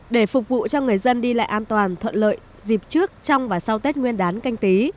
để phục vụ cho người dân đi lại an toàn thuận lợi dịp trước trong và sau tết nguyên đán canh tí